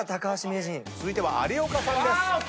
続いては有岡さんです。